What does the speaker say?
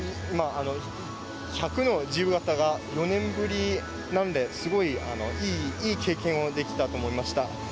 １００の自由形が４年ぶりなのですごい、いい経験をできたと思いました。